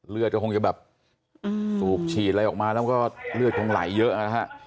เลือดก็คงจะแบบสูบฉีดอะไรออกมาแล้วก็เลือดคงไหลเยอะนะฮะ